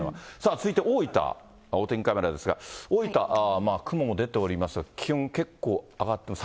続いて大分、お天気カメラですが、大分、雲も出ておりますが気温結構上がってます。